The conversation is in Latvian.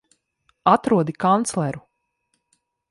Atrodi kancleru!